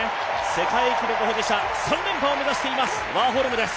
世界記録保持者３連覇を目指しています、ワーホルムです。